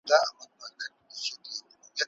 هغه وسیله چې د تودوخې درجه معلوموي ترمامیتر دی.